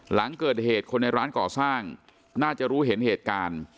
หลังเกิดเหตุคนในร้านก่อสร้างน่าจะรู้เห็นเหตุการณ์